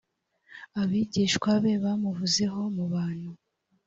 abigishwa be bamuvuzeho mu bantu.